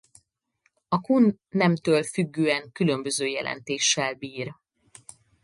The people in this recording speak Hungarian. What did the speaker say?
A kun nemtől függően különböző jelentéssel bír.